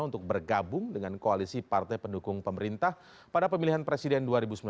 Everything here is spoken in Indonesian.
untuk bergabung dengan koalisi partai pendukung pemerintah pada pemilihan presiden dua ribu sembilan belas